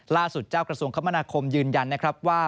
เจ้ากระทรวงคมนาคมยืนยันนะครับว่า